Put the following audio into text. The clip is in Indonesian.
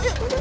udah deh yuk